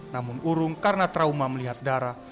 namun urung karena trauma melihat darah